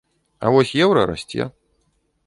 А вось еўра расце.